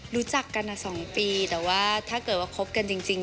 รู้จักกัน๒ปีแต่ว่าถ้าเกิดว่าคบกันจริง